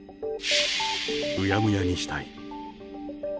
うやむやにしたい。